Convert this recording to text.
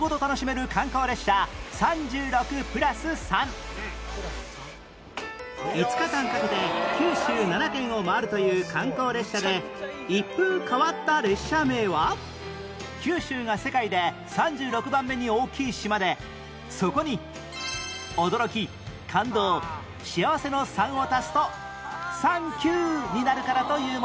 観光列車３６ぷらす３５日間かけて九州７県を回るという観光列車で一風変わった列車名は九州が世界で３６番目に大きい島でそこに驚き・感動・幸せの３を足すと３９になるからというもの